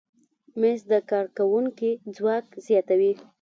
مېز د کارکوونکي ځواک زیاتوي.